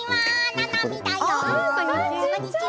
ななみだよ。